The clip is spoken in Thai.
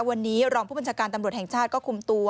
วันนี้รองผู้บัญชาการตำรวจแห่งชาติก็คุมตัว